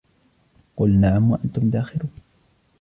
قل نعم وأنتم داخرون